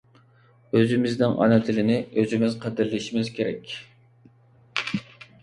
ئۆزىمىزنىڭ ئانا تىلىنى ئۆزىمىز قەدىرلىشىمىز كېرەك.